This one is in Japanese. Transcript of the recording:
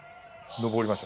登りました